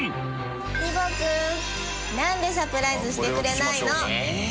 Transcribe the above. ひーぼぉくんなんでサプライズしてくれないの？